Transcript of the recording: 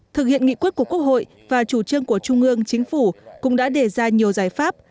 thực hiện nghị quyết của quốc hội và chủ trương của trung ương chính phủ cũng đã đề ra nhiều giải pháp